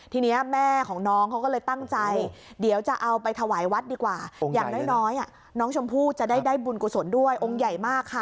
ทีนี้แม่ของน้องเขาก็เลยตั้งใจเดี๋ยวจะเอาไปถวายวัดดีกว่าอย่างน้อยน้องชมพู่จะได้ได้บุญกุศลด้วยองค์ใหญ่มากค่ะ